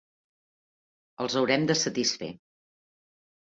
Els haurem de satisfer.